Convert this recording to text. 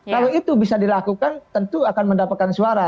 kalau itu bisa dilakukan tentu akan mendapatkan suara